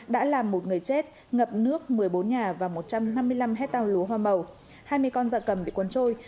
đã làm một người chết ngập nước một mươi bốn nhà và một trăm năm mươi năm hectare lúa hoa màu hai mươi con da cầm bị cuốn trôi